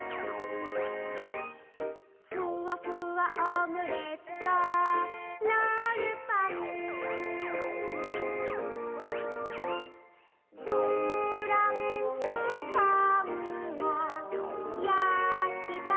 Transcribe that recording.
「ふわふわオムレツとロールパン」「フランスパンも焼きたてだ」